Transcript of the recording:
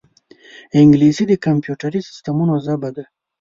انګلیسي د کمپیوټري سیستمونو ژبه ده